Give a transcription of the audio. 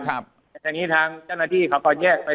แต่ทีนี้ทางเจ้าหน้าที่เขาก็แยกไป